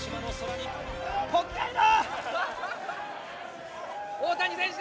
北海道！